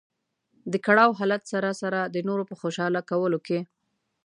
د کړاو حالت سره سره د نورو په خوشاله کولو کې.